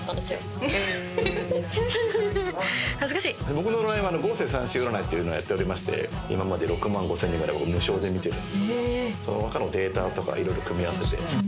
僕の占いは五星三心占いっていうのやっておりまして今まで６万５，０００人ぐらいを無償で見てるんでその中のデータとか色々組み合わせて。